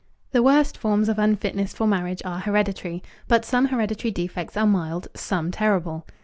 The worst forms of unfitness for marriage are hereditary, but some hereditary defects are mild, some terrible.